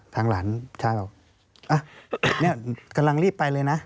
หลานชายบอกเนี่ยกำลังรีบไปเลยนะ